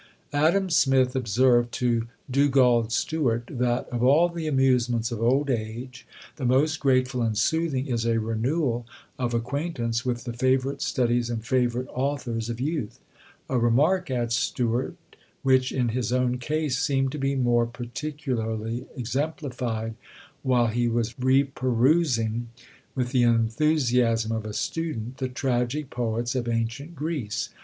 Adam Smith observed to Dugald Stewart, that "of all the amusements of old age, the most grateful and soothing is a renewal of acquaintance with the favourite studies and favourite authors of youth a remark, adds Stewart, which, in his own case, seemed to be more particularly exemplified while he was reperusing, with the enthusiasm of a student, the tragic poets of ancient Greece.